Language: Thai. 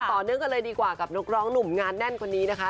ต่อเนื่องกันเลยดีกว่ากับนักร้องหนุ่มงานแน่นคนนี้นะคะ